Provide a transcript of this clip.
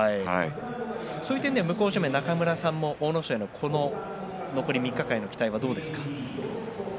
そういう点では向正面中村さん阿武咲への残り３日間の期待はどうですか。